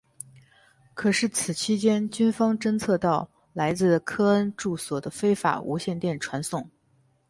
可是此期间军方侦测到来自科恩住所的非法无线电传送。